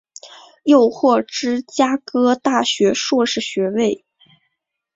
又获芝加哥大学硕士学位。